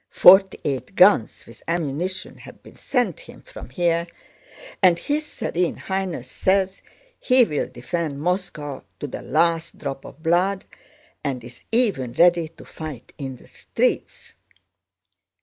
Forty eight guns with ammunition have been sent him from here, and his Serene Highness says he will defend Moscow to the last drop of blood and is even ready to fight in the streets.